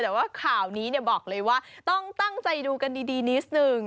แต่ว่าข่าวนี้บอกเลยว่าต้องตั้งใจดูกันดีนิดหนึ่ง